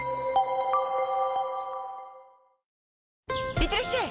いってらっしゃい！